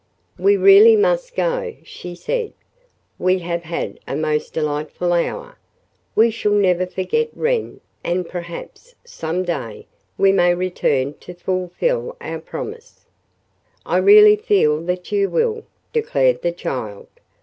"We really must go," she said. "We have had a most delightful hour. We shall never forget Wren, and, perhaps, some day we may return to fulfil our promise." "I really feel that you will," declared the child.